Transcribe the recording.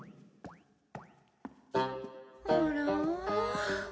あら？